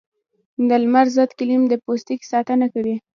د لمر ضد کریم د پوستکي ساتنه کوي